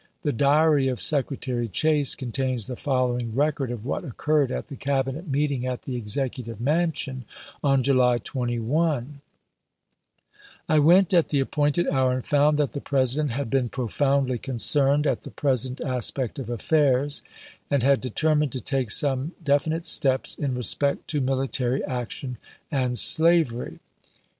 The diary of Secretary Chase contains the following record of what occurred at the Cabinet meeting at the Execu tive Mansion on July 21 : I went at the appointed hour, and found that the President had been profoundly concerned at the present aspect of affairs, and had determined to take some defi nite steps in respect to military action and slavery.